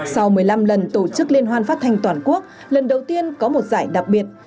sau một mươi năm lần tổ chức liên hoan phát thanh toàn quốc lần đầu tiên có một giải đặc biệt